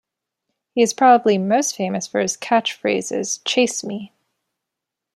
He is probably most famous for his catch phrases Chase me!